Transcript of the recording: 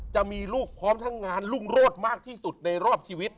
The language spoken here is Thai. จะมีลูกพร้อมทั้งงานรุ่งโรธมากที่สุดในรอบชีวิต